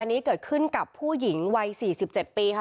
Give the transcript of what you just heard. อันนี้เกิดขึ้นกับผู้หญิงวัย๔๗ปีค่ะ